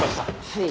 はい。